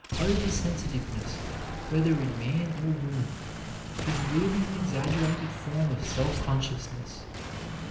Over sensitiveness, whether in man or woman, is really an exaggerated form of self consciousness.